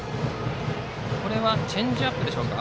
今のはチェンジアップでしょうか。